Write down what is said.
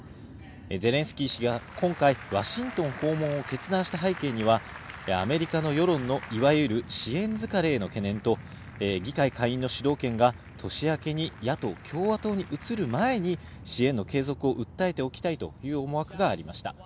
ゼレンスキー氏が今回、ワシントン訪問を決断した背景には、アメリカの世論のいわゆる支援疲れへの懸念と議会下院の主導権が、年明けに野党・共和党に移る前に支援の継続を訴えておきたいという思惑がありました。